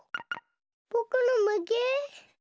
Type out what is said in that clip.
ぼくのまけ？